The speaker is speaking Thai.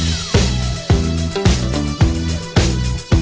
มีวันหยุดเอ่ออาทิตย์ที่สองของเดือนค่ะ